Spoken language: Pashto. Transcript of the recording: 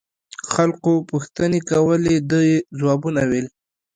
خلقو پوښتنې کولې ده يې ځوابونه ويل.